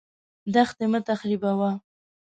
دښتې مه تخریبوه.